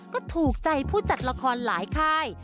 ก็ถูกใจผู้จัดละครหลายค่าย